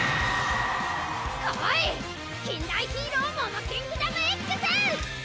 来い禁断ヒーローモモキングダムＸ！